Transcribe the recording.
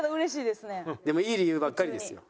でもいい理由ばっかりですよ。